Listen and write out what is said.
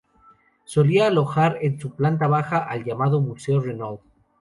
Solía alojar en su planta baja al llamado Museo Renault.